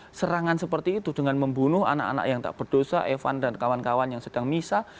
ada serangan seperti itu dengan membunuh anak anak yang tak berdosa evan dan kawan kawan yang sedang misah